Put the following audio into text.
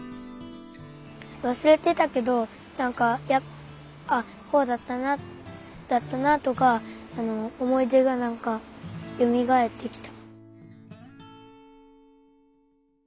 わすれてたけどなんかあこうだったなとかおもいでがなんかよみがえってきた。